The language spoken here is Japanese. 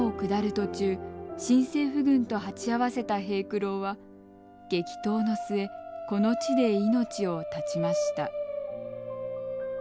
途中新政府軍と鉢合わせた平九郎は激闘の末この地で命を絶ちました。